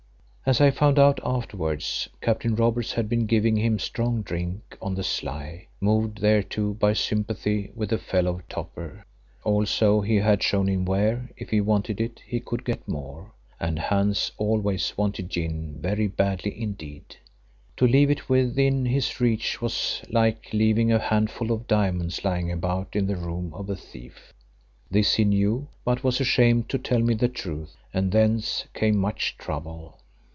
As I found out afterwards, Captain Robertson had been giving him strong drink on the sly, moved thereto by sympathy with a fellow toper. Also he had shown him where, if he wanted it, he could get more, and Hans always wanted gin very badly indeed. To leave it within his reach was like leaving a handful of diamonds lying about in the room of a thief. This he knew, but was ashamed to tell me the truth, and thence came much trouble.